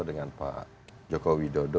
dengan pak jokowi dodo